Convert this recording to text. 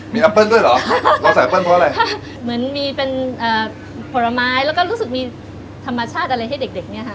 มีแอมเปิ้ลด้วยเหรอเราใส่เปิ้ลเพราะอะไรค่ะเหมือนมีเป็นเอ่อผลไม้แล้วก็รู้สึกมีธรรมชาติอะไรให้เด็กเด็กเนี่ยค่ะ